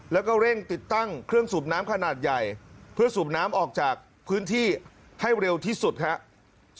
แล้วก็เร่งติดตั้งเครื่องสูบน้ำขนาดใหญ่เพื่อสูบน้ำออกจากพื้นที่ให้เร็วที่สุดครับ